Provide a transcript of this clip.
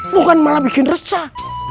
bukan malah bikin resah